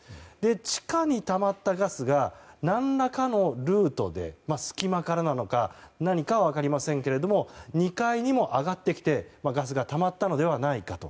地下にたまったガスが何らかのルートで隙間からなのか何かは分かりませんが２階にも上がってきてガスがたまったのではないかと。